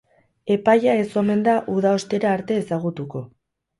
Epaia ez omen da uda ostera arte ezagutuko.